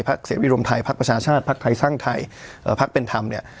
เสรีรวมไทยพักประชาชาติภักดิ์ไทยสร้างไทยเอ่อพักเป็นธรรมเนี่ย